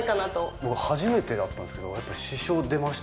僕、初めてだったんですけど、やっぱり支障出ました。